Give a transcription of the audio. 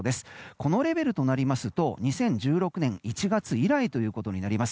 このレベルとなりますと２０１６年１月以来となります。